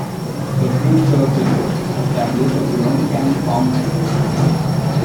Petru Cercel established a bronze cannon foundry in the city.